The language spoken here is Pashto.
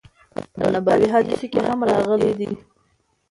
په نبوی حادثو کی هم راغلی دی